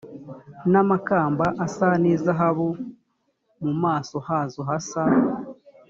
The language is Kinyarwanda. n amakamba asa n izahabu mu maso hazo hasa